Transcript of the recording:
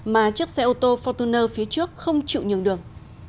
mà chiếc xe ô tô fortuner phía trước không chịu nhường đường